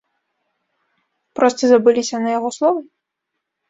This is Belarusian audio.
Проста забыліся на яго словы?